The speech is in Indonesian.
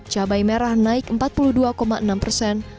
cabai merah naik empat puluh dua enam persen